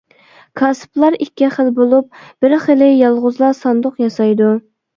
كاسىپلار ئىككى خىل بولۇپ، بىر خىلى، يالغۇزلا ساندۇق ياسايدۇ.